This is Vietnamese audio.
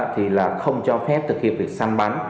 thì là không cho phép thực hiện việc săn bắn